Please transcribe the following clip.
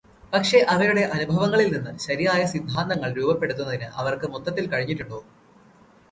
പക്ഷേ, അവയുടെ അനുഭവങ്ങളിൽ നിന്ന് ശരിയായ സിദ്ധാന്തങ്ങൾ രൂപപ്പെടുത്തുന്നതിന് അവർക്ക് മൊത്തത്തിൽ കഴിഞ്ഞിട്ടുണ്ടോ?